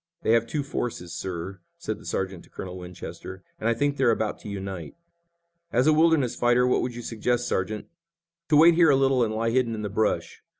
"They have two forces, sir," said the sergeant to Colonel Winchester, "and I think they're about to unite." "As a wilderness fighter, what would you suggest, Sergeant?" "To wait here a little and lie hidden in the brush.